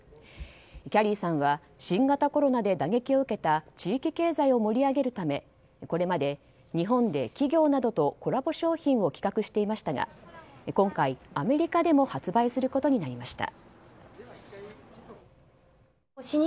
きゃりーさんは新型コロナで打撃を受けた地域経済を盛り上げるためこれまで日本で企業などとコラボ商品を企画していましたが今回アメリカでも発売することになりました。